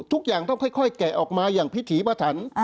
ทุกอย่างต้องค่อยแกะออกมาอย่างพิถีปถัน